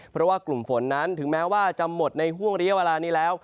เพราะว่ากลุ่มฝนนั้นถึงแม้ว่าจะหมดในห่วงระยะเวลานี้แล้ว